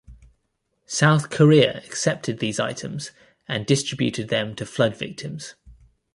South Korea accepted these items and distributed them to flood victims.